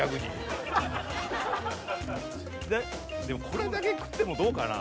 これだけ食ってもどうかな。